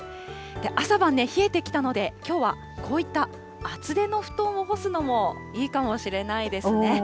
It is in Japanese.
朝晩ね、冷えてきたので、きょうはこういった厚手の布団を干すのもいいかもしれないですね。